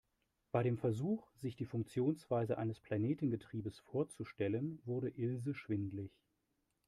Bei dem Versuch, sich die Funktionsweise eines Planetengetriebes vorzustellen, wurde Ilse schwindelig.